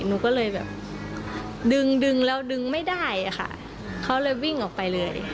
หนูก็เลยแบบดึงดึงแล้วดึงไม่ได้อะค่ะเขาเลยวิ่งออกไปเลย